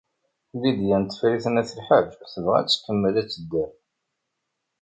Lidya n Tifrit n At Lḥaǧ tebɣa ad tkemmel ad tedder.